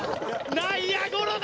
内野ゴロだ！